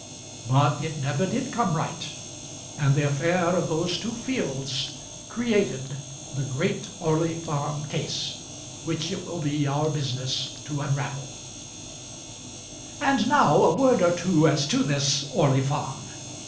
But it never did come right; and the affair of those two fields created the great Orley Farm Case, which it will be our business to unravel. And now a word or two as to this Orley Farm.